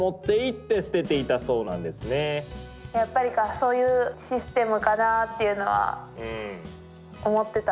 そういうシステムかなっていうのは思ってた。